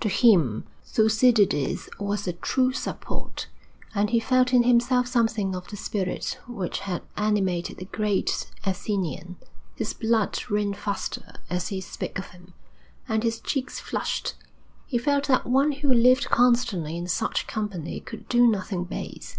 To him Thucydides was a true support, and he felt in himself something of the spirit which had animated the great Athenian. His blood ran faster as he spoke of him, and his cheeks flushed. He felt that one who lived constantly in such company could do nothing base.